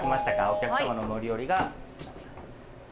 お客様の乗り降りが。